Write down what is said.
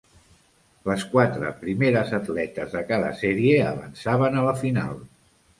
Les quatre primeres atletes de cada sèrie avançaven a la final.